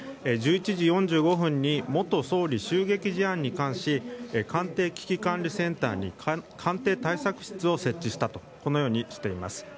１１時４５分に元総理襲撃事案に関し官邸危機管理センターに官邸対策室を設置したとこのようにしています。